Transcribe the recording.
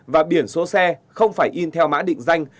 và biển số xe không phải in theo mã định danh